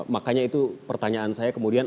makanya itu pertanyaan saya kemudian